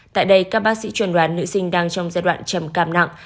tại đây các bác sĩ chuẩn đoán nữ sinh đang trong giai đoạn trầm cảm nặng